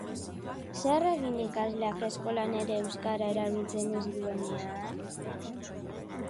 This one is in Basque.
Zer egin ikasleak eskolan ere euskara erabiltzen ez duenean?